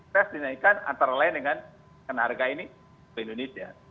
tes dinaikkan antara lain dengan harga ini ke indonesia